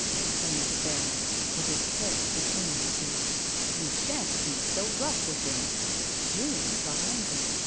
" exclaimed the baron, with his head between the two. " Yovi sha'n't be so rough with him," Julien got angry.